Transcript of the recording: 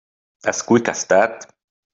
As quick as that?